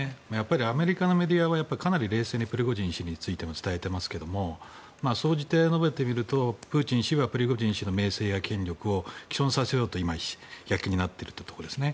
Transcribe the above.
アメリカのメディアはかなり冷静にプリゴジン氏についても伝えていますが総じて述べてみるとプーチン氏はプリゴジン氏の名声や権力を棄損させようと今、やっきになっているところですね。